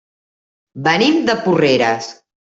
Venim de Porreres.